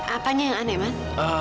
apanya yang aneh man